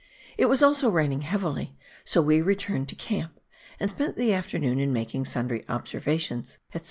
It was also raining heavily, so we returned to camp and spent the afternoon in making sundry observations, &c.